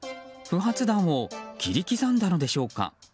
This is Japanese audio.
不発弾を切り刻んだのでしょうか。